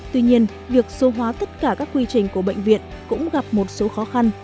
tuy nhiên việc số hóa tất cả các quy trình của bệnh viện cũng gặp một số khó khăn